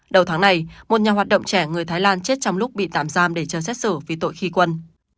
đầu tháng này một nhà hoạt động trẻ người thái lan chết trong lúc bị tạm giam để chờ xét xử vì tội khi quân